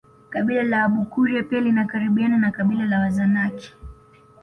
Kabila la Abakuria pia linakaribiana na kabila la Wazanaki